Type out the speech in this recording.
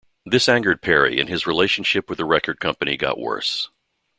This angered Perry and his relationship with the record company got worse.